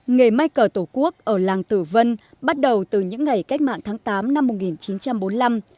nghề máy cờ tổ quốc ở làng từ vân bắt đầu từ những ngày cách mạng tháng tám năm một nghìn chín trăm ba mươi sáu